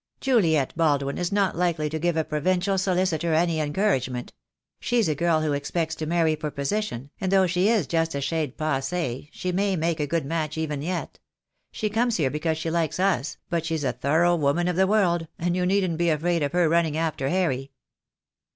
"Juliet Baldwin is not likely to give a provincial solicitor any encouragement. She's a girl who expects to marry for position, and though she is just a shade passe'e she may make a good match even yet. She comes here because she likes us, but she's a thorough woman of the world, and you needn't be afraid of her running after Harry."